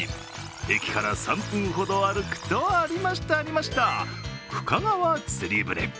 駅から３分ほど歩くとありました、ありました、深川つり舟。